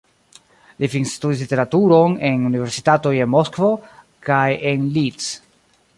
Li finstudis literaturon en universitatoj en Moskvo kaj en Leeds.